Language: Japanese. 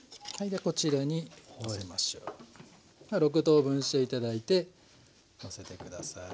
６等分して頂いてのせて下さい。